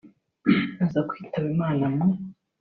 aza kwitaba Imana mu